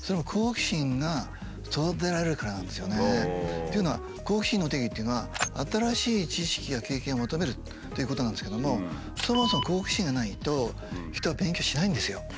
っていうのは好奇心の定義っていうのは新しい知識や経験を求めるっていうことなんですけどもそもそも好奇心がないと人は勉強しないんですよ。